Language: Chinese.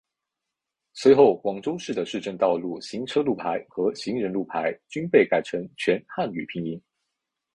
随后广州市的市政道路行车路牌和行人路牌均被改成全汉语拼音。